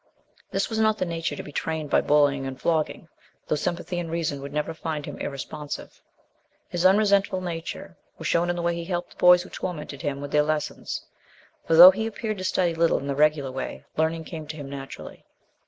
This was not the nature to be trained by bullying and flogging, though sympathy and reason would never find him irresponsive. His unresentful nature was shown in the way he helped the boys who tormented him with their lessons ; for though he appeared to study little in the regular way, learning came to him naturally.